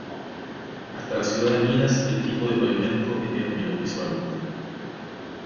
Hasta la ciudad de Minas el tipo de pavimento es de hormigón principalmente.